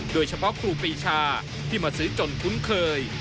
โดยเฉพาะครูปลีชาที่มาซื้อจนคุ้นเคย